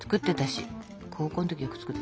高校の時よく作ってたな。